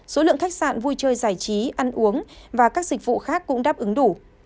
số lượng khách sạn vui chơi giải trí ăn uống và các dịch vụ khác cũng đáp ứng đủ